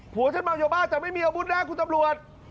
หัวฉันเมายาบ้าแต่ไม่มีอาวุธนะคุณตำรวจ